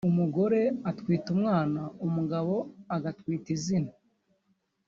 Umugore atwita umwana umugabo agatwita izina